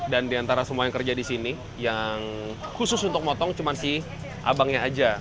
dan diantara semua yang kerja di sini yang khusus untuk motong cuma si abangnya aja